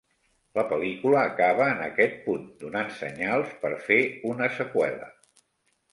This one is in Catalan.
La pel·lícula acaba en aquest punt, donant senyals per fer una seqüela.